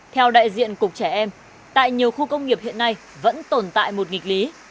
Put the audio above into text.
theo đại diện cục trẻ em tại nhiều khu công nghiệp hiện nay vẫn tồn tại một nghịch lý